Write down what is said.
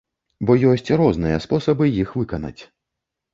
Бо ёсць розныя спосабы іх выканаць.